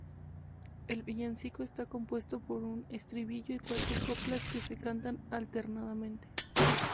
El villancico está compuesto por un estribillo y cuatro coplas que se cantan alternadamente.